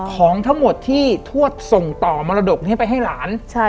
ของทั้งหมดที่ทวดส่งต่อมรดกนี้ไปให้หลาน